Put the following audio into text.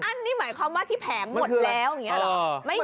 อันนี้หมายความว่าที่แผงหมดแล้วอย่างนี้เหรอ